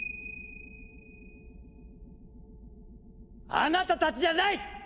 あなたたちじゃない！